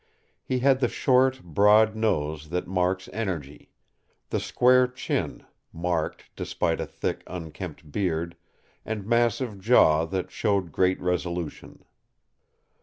He had the short, broad nose that marks energy; the square chin—marked despite a thick, unkempt beard—and massive jaw that showed great resolution.